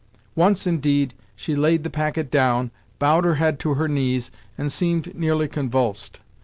Once, indeed, she laid the packet down, bowed her head to her knees, and seemed nearly convulsed.